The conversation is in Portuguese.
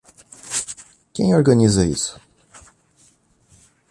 Quem organiza isso?